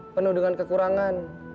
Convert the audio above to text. penuh dengan kekurangan